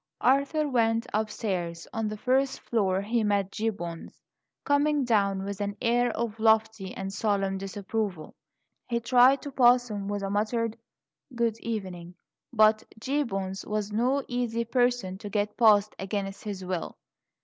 Arthur went upstairs. On the first floor he met Gibbons coming down with an air of lofty and solemn disapproval. He tried to pass with a muttered "Good evening"; but Gibbons was no easy person to get past against his will.